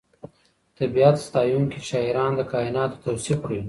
طبیعت ستایونکي شاعران د کائناتو توصیف کوي.